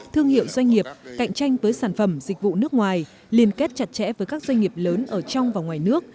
thương hiệu doanh nghiệp cạnh tranh với sản phẩm dịch vụ nước ngoài liên kết chặt chẽ với các doanh nghiệp lớn ở trong và ngoài nước